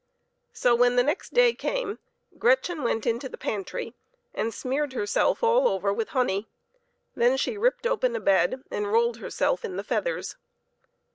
So, when the next day came, Gretchen went into the pantry and smeared herself all over with honey. Then she ripped open a bed and rolled herself in the feathers.